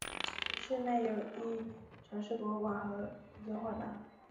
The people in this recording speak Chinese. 市内有一城市博物馆和一个画廊。